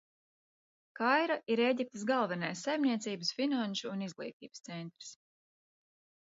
Kaira ir Ēģiptes galvenais saimniecības, finanšu un izglītības centrs.